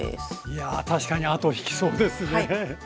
いや確かに後を引きそうですね。